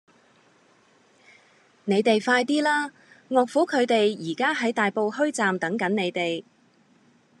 你哋快啲啦!岳父佢哋而家喺大埔墟站等緊你哋